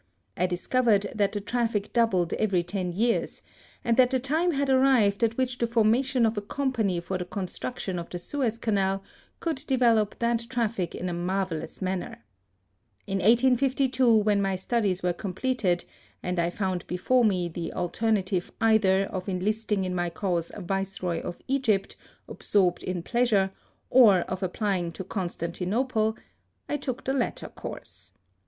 I discovered that the traJB&c doubled every ten years, and that the time had arrived at which the formation of a company for the • construction of the Suez Canal could develop that traffic in a marvellous manner. In 1852, when my studies were completed, and I found before 6 HISTORY OF me the alternative either of enlisting in my cause a Viceroy of Egypt absorbed in pleasure, or of applying to Constantinople, I took the latter course.